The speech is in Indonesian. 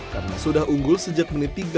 karena sudah unggul sejak menit tiga puluh delapan